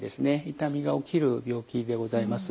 痛みが起きる病気でございます。